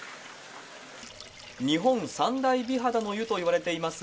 日本三大美肌の湯といわれています